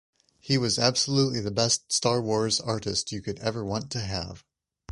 He was absolutely the best "Star Wars" artist you could ever want to have.